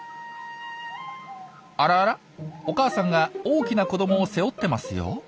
あらあらお母さんが大きな子どもを背負ってますよ。